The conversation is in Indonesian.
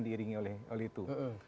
diiringi oleh itu